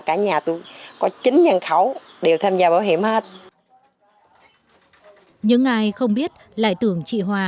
cả nhà tôi có chính nhân khẩu đều tham gia bảo hiểm hết nhưng ai không biết lại tưởng chị hòa